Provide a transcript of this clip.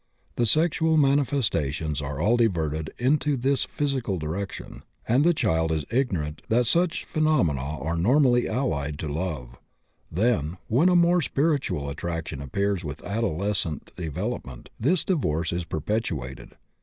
The sexual manifestations are all diverted into this physical direction, and the child is ignorant that such phenomena are normally allied to love; then, when a more spiritual attraction appears with adolescent development, this divorce is perpetuated.